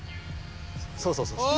そうそうそうそう。